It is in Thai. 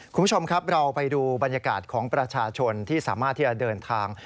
คุณผู้ชมครับเราไปดูบรรยากาศของประชาชนที่สามารถที่จะเดินทาง